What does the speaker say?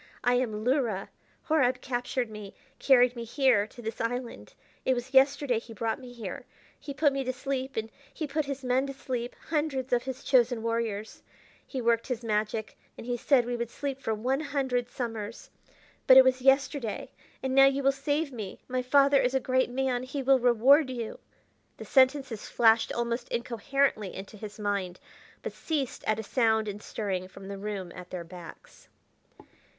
I am Luhra. Horab captured me; carried me here to this island; it was yesterday he brought me here. He put me to sleep, and he put his men to sleep, hundreds of his chosen warriors. He worked his magic, and he said we would sleep for one hundred summers. But it was yesterday. And now you will save me; my father is a great man; he will reward you " The sentences flashed almost incoherently into his mind, but ceased at a sound and stirring from the room at their backs.